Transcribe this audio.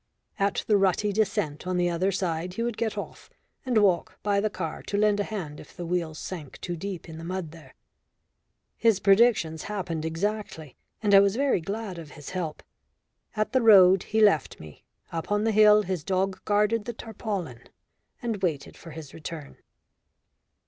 At the rutty descent on the other side he would get off and walk by the car to lend a hand if the wheels sank too deep in the mud there. His predictions happened exactly, and I was very glad of his help. At the road he left me; up on the hill his dog guarded the tarpaulin and waited for his return.